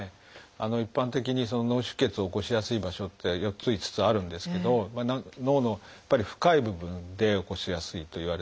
一般的に脳出血を起こしやすい場所っていうのは４つ５つあるんですけど脳のやっぱり深い部分で起こしやすいといわれています。